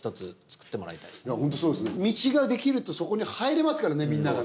道ができるとそこに入れますからねみんなが。